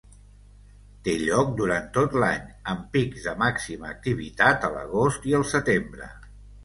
Té lloc durant tot l'any, amb pics de màxima activitat a l'agost i el setembre.